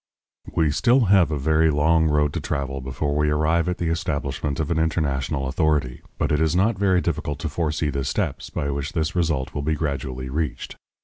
We have still a very long road to travel before we arrive at the establishment of an international authority, but it is not very difficult to foresee the steps by which this result will be gradually reached.